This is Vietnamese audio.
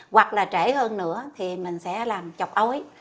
hoặc là trễ hơn nữa thì mình sẽ làm chọc ối